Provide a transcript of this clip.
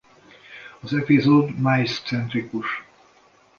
Az epizód Miles-centrikus.